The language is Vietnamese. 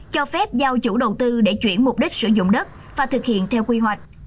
cho phép giao chủ đầu tư để chuyển mục đích sử dụng đất và thực hiện theo quy hoạch